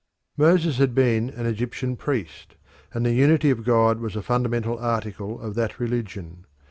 Moses had been an Egyptian priest, and the unity of God was a fundamental article of that religion.